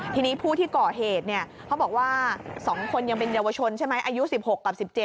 ทีนี้ผู้ที่ก่อเหตุเขาบอกว่า๒คนยังเป็นเยาวชนใช่ไหมอายุ๑๖กับ๑๗